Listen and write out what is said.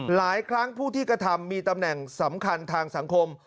หลายครั้งผู้ที่กระทำมีตำแหน่งสำคัญทางสังคม